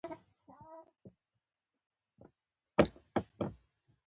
د یو چا په حق د انسان قضاوت باید هراړخيزه وي.